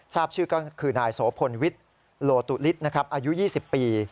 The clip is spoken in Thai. ทราบชื่อก็คือนายโสพลวิทย์โลตุฤทธิ์อายุ๒๐ปี